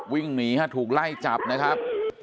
วิ่งหนีฮะถูกไล่จับนะครับ